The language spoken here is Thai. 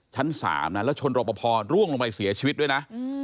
ชั้น๓แล้วชนรบประพอบ์ร่วงลงไปเสียชีวิตด้วยนะ